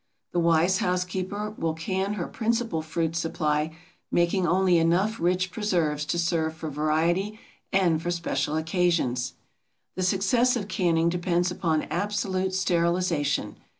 The wise housekeeper will can her principal fruit supply, making only enough rich preserves to serve for variety and for special occasions. The success of canning depends upon absolute sterilization.